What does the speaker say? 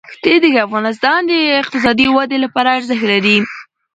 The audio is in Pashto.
ښتې د افغانستان د اقتصادي ودې لپاره ارزښت لري.